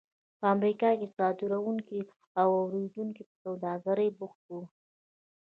په امریکا کې صادروونکي او واردوونکي پر سوداګرۍ بوخت وو.